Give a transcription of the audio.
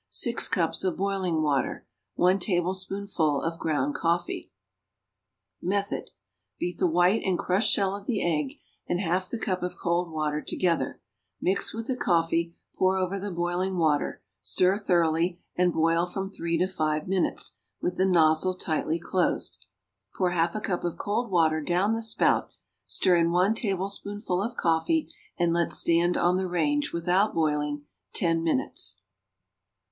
6 cups of boiling water. 1 tablespoonful of ground coffee. Method. Beat the white and crushed shell of the egg and half the cup of cold water together; mix with the coffee, pour over the boiling water, stir thoroughly, and boil from three to five minutes with the nozzle tightly closed; pour half a cup of cold water down the spout; stir in one tablespoonful of coffee and let stand on the range, without boiling, ten minutes.